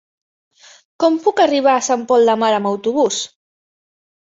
Com puc arribar a Sant Pol de Mar amb autobús?